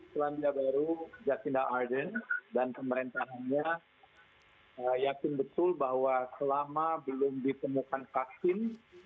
selandia baru jatina argen dan pemerintahannya yakin betul bahwa selama belum ditemukan vaksin